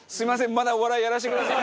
まだ、お笑いやらせてください。